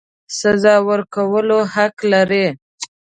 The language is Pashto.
سزا ورکولو حق لري.